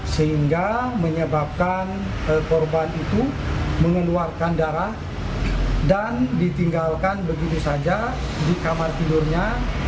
sehingga menyebabkan korban itu mengeluarkan darah dan ditinggalkan begitu saja di kamar tidurnya